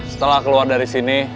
setelah keluar dari sini